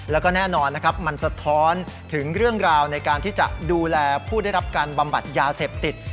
แล้วก็แน่นอนนะครับมันสะท้อนถึงเรื่องราวในการที่จะดูแลผู้ได้รับการบำบัดยาเสพติด